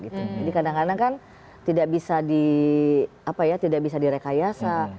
jadi kadang kadang kan tidak bisa direkayasa